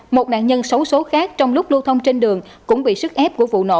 một nạn nhân xấu số khác trong lúc lưu thông trên đường cũng bị sức ép của vụ nổ